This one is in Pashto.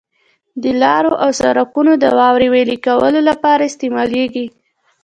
د لارو او سرکونو د واورې ویلي کولو لپاره استعمالیږي.